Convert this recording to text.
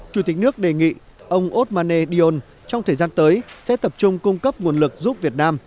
chủ tịch nước đề nghị ông osmane dion trong thời gian tới sẽ tập trung cung cấp nguồn lực giúp việt nam